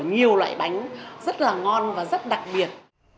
nhiều loại bánh rất là ngon và rất đặc biệt